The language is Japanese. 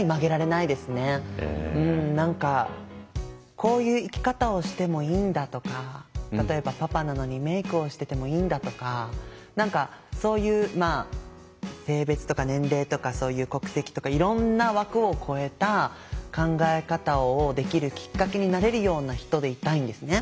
こういう生き方をしてもいいんだとか例えばパパなのにメイクをしててもいいんだとか何かそういう性別とか年齢とかそういう国籍とかいろんな枠を超えた考え方をできるきっかけになれるような人でいたいんですね。